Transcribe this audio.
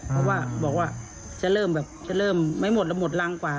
เพราะว่าบอกว่าจะเริ่มแบบจะเริ่มไม่หมดแล้วหมดรังกว่า